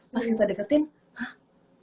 pas kita deketin haa